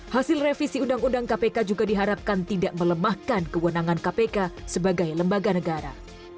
hasil revisi undang undang kpk juga diharapkan tidak melemahkan kewenangan kpk sebagai lembaga negara